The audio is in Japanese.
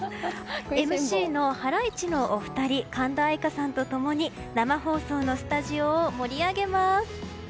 ＭＣのハライチのお二人神田愛花さんと共に生放送のスタジオを盛り上げます。